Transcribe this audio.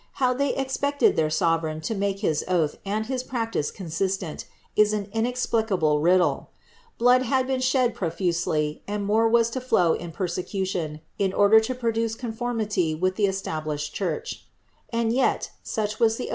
How they expected their sovereign to make liis oath and his pianii'c consistent, is an inexplicable riddle. Blood had been shed prol'ii^clv. and more was lo tlow in persecution, in order to produce confoimiiv with the established church; and yet, sucli was the oaili impoAeil uii 'Prffe;c ; Pap >tk?